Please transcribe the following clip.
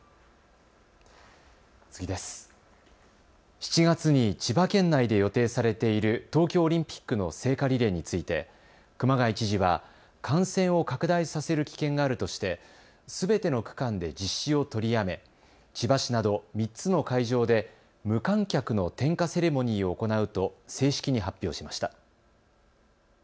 ７月に千葉県内で予定されている東京オリンピックの聖火リレーについて熊谷知事は感染を拡大させる危険があるとしてすべての区間で実施を取りやめ、千葉市など、３つの会場で無観客の点火セレモニーを行うと正式に発表しました。